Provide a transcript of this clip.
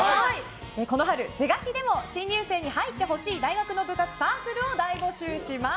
この春、是が非でも新入生に入ってほしい大学の部活、サークルを大募集します。